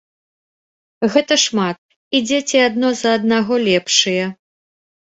Гэта шмат, і дзеці адно за аднаго лепшыя.